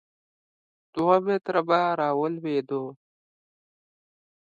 دوه متره به راولوېدو.